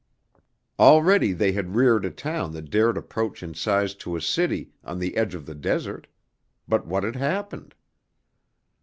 Already they had reared a town that dared approach in size to a city on the edge of the desert, but what had happened?